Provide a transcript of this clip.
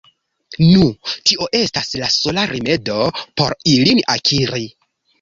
Nu, tio estas la sola rimedo por ilin akiri.